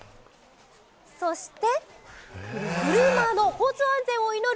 そして車の交通安全を祈る